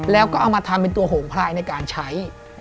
แล้วก็เอามาทำเป็นตัวโหงพลายในการใช้